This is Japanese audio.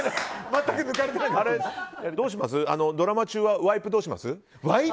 ドラマ中はワイプどうします？